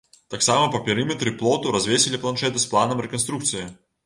Таксама па перыметры плоту развесілі планшэты з планам рэканструкцыі.